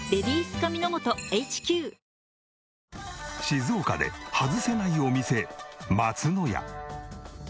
静岡でハズせないお店松の家。